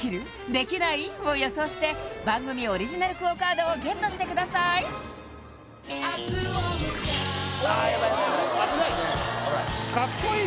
できない？を予想して番組オリジナルＱＵＯカードをＧＥＴしてください明日を迎えに行こうカッコイイ！